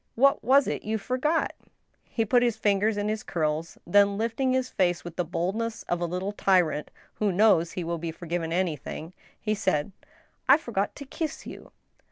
" What was it you forgot ?" He put his fingers in his curls, then, lifting his face with the bold ness of a little tyrant who knows he will be forgiven anything, he said: •' I forgot to kiss you."